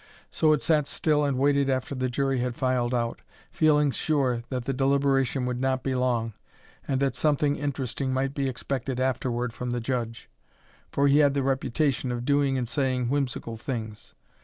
So it sat still and waited after the jury had filed out, feeling sure that the deliberation would not be long, and that something interesting might be expected afterward from the judge; for he had the reputation of doing and saying whimsical things.